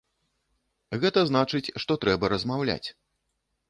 Гэта значыць, што трэба размаўляць.